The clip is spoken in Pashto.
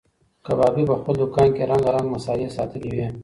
کبابي په خپل دوکان کې رنګارنګ مسالې ساتلې وې.